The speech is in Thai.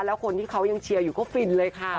แล้วคนที่เขายังเชียร์อยู่ก็ฟินเลยค่ะ